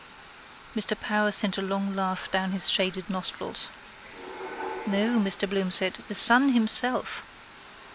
Mr Power sent a long laugh down his shaded nostrils. —No, Mr Bloom said, the son himself.....